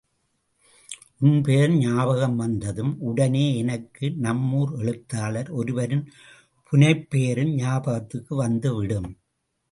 உன் பெயர் ஞாபகம் வந்ததும், உடனே எனக்கு நம் ஊர் எழுத்தாளர் ஒருவரின் புனைப்பெயரும் ஞாபகத்துக்கு வந்துவிடும்.